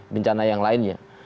bencana yang lainnya